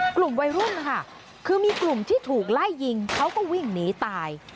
กลุ่มวัยรุ่นค่ะคือมีกลุ่มที่ถูกไล่ยิงเขาก็วิ่งหนีตาย